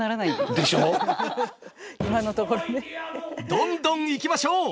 どんどんいきましょう！